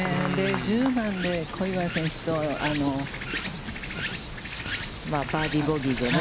１０番で小祝選手と、バーディー、ボギーでね。